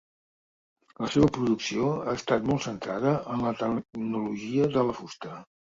La seva producció ha estat molt centrada en la tecnologia de la fusta.